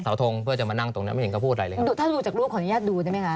ทงเพื่อจะมานั่งตรงนั้นไม่เห็นเขาพูดอะไรเลยครับถ้าดูจากรูปขออนุญาตดูใช่ไหมคะ